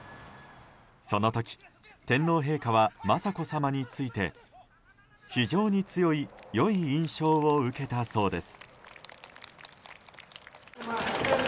その時、天皇陛下は雅子さまについて非常に強い良い印象を受けたそうです。